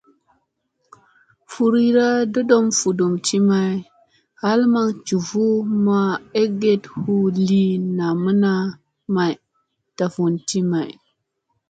Furira ndoɗom vudum ti may, ɦal maŋ njuvut ma eget huu lii namana may, dafun ti may.